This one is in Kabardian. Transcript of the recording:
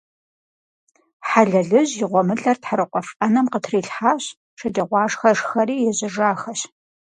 Хьэлэлыжь и гъуэмылэр тхьэрыкъуэф Ӏэнэм къытрилъхьащ, шэджагъуашхэ шхэри ежьэжахэщ .